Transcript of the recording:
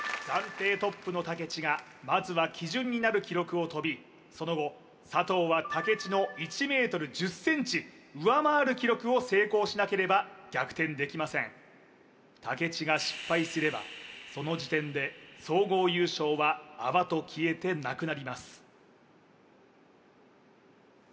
暫定トップの武知がまずは基準になる記録をとびその後佐藤は武知の１ｍ１０ｃｍ上回る記録を成功しなければ逆転できません武知が失敗すればその時点で総合優勝は泡と消えてなくなります